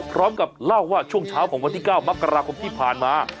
พร้อมกับเล่าว่าช่วงเช้าของวันที่๙มกราคมที่ผ่านมา